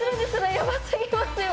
やばすぎますよ！